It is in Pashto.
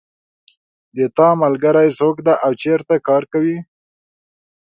د تا ملګری څوک ده او چېرته کار کوي